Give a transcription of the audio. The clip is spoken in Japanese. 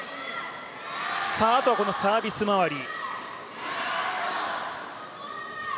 あとはサービス周り。